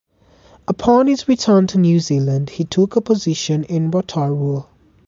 Upon his return to New Zealand, he took up a position in Rotorua.